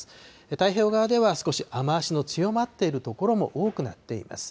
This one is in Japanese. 太平洋側では少し雨足の強まっている所も多くなっています。